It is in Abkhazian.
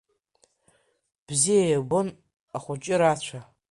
Бзиа ибон ахәҷы рацәа.